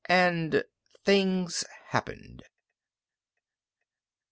And things happened.